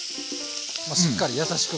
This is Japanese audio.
しっかり優しく。